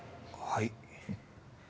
はい。